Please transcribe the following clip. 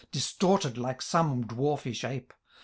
Distorted like some dwarfish ape.